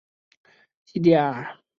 西荻北是东京都杉并区的町名。